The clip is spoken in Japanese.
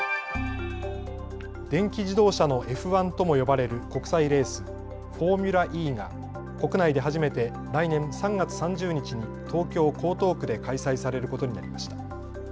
電気自動車のＦ１とも呼ばれる国際レース、フォーミュラＥが国内で初めて来年３月３０日に東京江東区で開催されることになりました。